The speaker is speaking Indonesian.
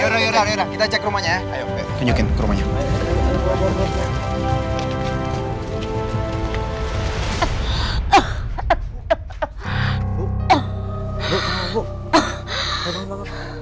yaudah yaudah yaudah kita cek rumahnya ya